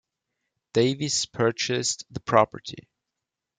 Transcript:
Davis purchased the property.